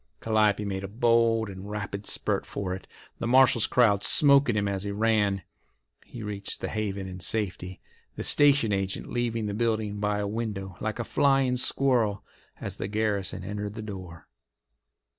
Calliope made a bold and rapid spurt for it, the marshal's crowd "smoking" him as he ran. He reached the haven in safety, the station agent leaving the building by a window, like a flying squirrel, as the garrison entered the door.